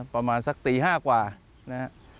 ประมาณสักตี๕กว่านะครับ